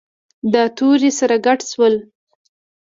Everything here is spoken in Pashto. دا توري سره ګډ شول.